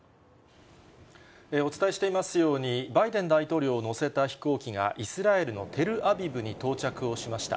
お伝えしていますように、バイデン大統領を乗せた飛行機がイスラエルのテルアビブに到着をしました。